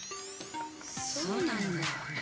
そうなんだ。